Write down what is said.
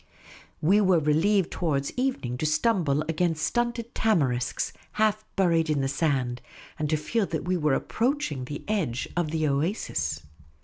We were relieved towards evening to stumble against stunted tamarisks, half buried in sand, and to feel that we were approaching the edge of the oasis.